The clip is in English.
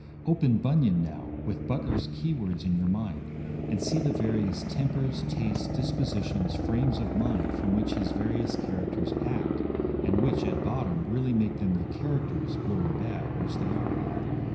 Open Bunyan now, with Butler's keywords in your mind, and see the various tempers, tastes, dispositions, frames of mind from which his various characters act, and which, at bottom, really make them the characters, good or bad, which they are.